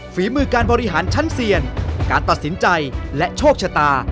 ฝีมือการบริหารชั้นเซียนการตัดสินใจและโชคชะตา